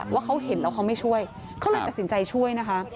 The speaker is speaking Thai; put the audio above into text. ว่าเขาเห็นแล้วเขาไม่ช่วยเขาเลยตัดสินใจช่วยนะคะ